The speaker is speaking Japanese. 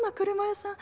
「俥屋さん